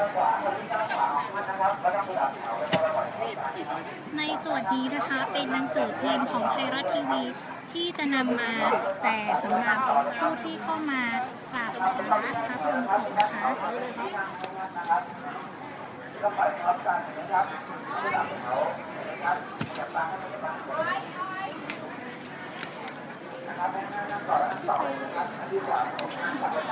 สวัสดีนะคะเป็นนังสือเพลงของไทยรัฐทีวีที่จะนำมาแสดสำหรับผู้ที่เข้ามาฝากสามารถครับผมสวัสดีค่ะ